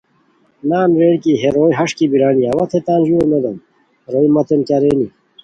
نان ریر کی ہے روئے ہݰ کی بیرانی اوا تھے تان ژورو نودوم، روئے متین کیہ رینی